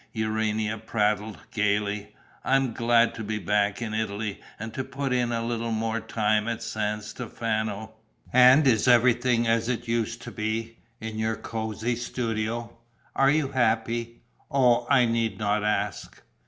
Urania prattled, gaily. "I am glad to be back in Italy and to put in a little more time at San Stefano. And is everything as it used to be, in your cosy studio? Are you happy? Oh, I need not ask!"